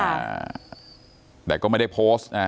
อย่างนี้นะแต่ก็ไม่ได้โพสต์ฮะ